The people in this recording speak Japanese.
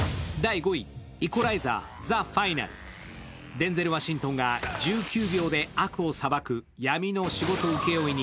デンゼル・ワシントンが１９秒で悪を裁く闇の仕事請負人。